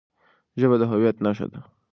ژبه د هويت نښه ده.